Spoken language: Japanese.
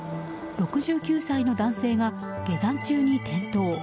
６９歳の男性が下山中に転倒。